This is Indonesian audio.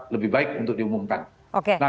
lebih baik untuk diumumkan